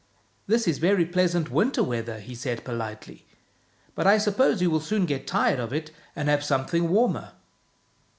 " This is very pleasant winter weather," he said politely, " but I suppose you will soon get tired of it and have something warmer?